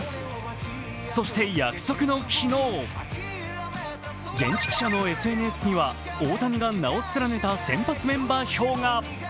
そして約束の昨日、現地記者のＳＮＳには大谷が名を連ねた先発メンバー表が。